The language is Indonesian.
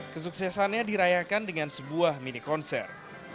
kesuksesannya dirayakan dengan sebuah mini konser